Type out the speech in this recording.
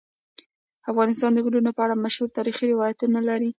افغانستان د غرونه په اړه مشهور تاریخی روایتونه لري.